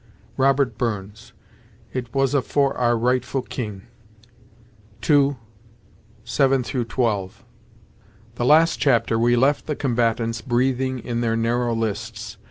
Robert Burns, "It was a' for our Rightfu' King," II. 7 12. The last chapter we left the combatants breathing in their narrow lists.